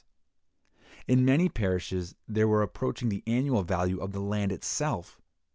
In many parishes they were approaching the annual value of the land itself."